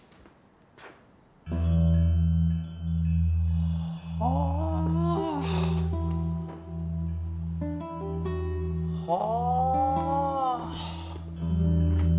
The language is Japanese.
はあはあ・